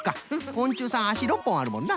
こんちゅうさんあし６ぽんあるもんな。